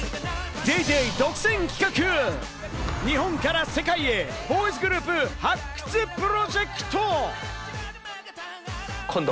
『ＤａｙＤａｙ．』独占企画、日本から世界へ、ボーイズグループ発掘プロジェクト。